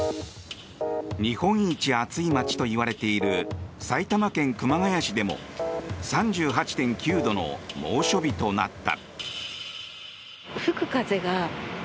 日本一暑い街といわれている埼玉県熊谷市でも３８．９度の猛暑日となった。